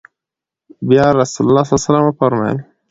بيا رسول الله صلی الله عليه وسلم وفرمايل: